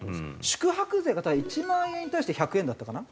宿泊税が１万円に対して１００円だったかな？